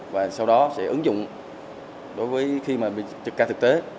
và sau đó sẽ ứng dụng đối với khi mà trực ca thực tế